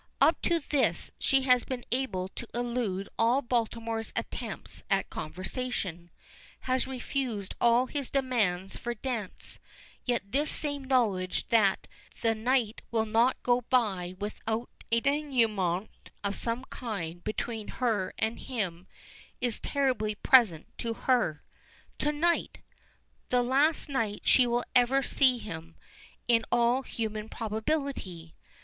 Up to this she has been able to elude all Baltimore's attempts at conversation has refused all his demands for a dance, yet this same knowledge that the night will not go by without a denouement of some kind between her and him is terribly present to her. To night! The last night she will ever see him, in all human probability!